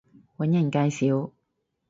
搵人介紹